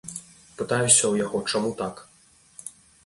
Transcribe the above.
Пытаюся ў яго, чаму так.